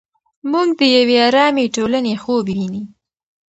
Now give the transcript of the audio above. موږ د یوې ارامې ټولنې خوب ویني.